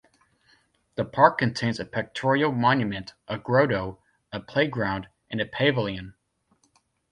The park contains a pictorial monument a Grotto, a playground and a Pavilion.